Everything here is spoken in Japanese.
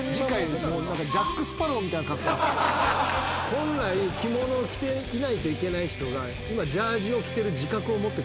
本来着物を着ていないといけない人が今。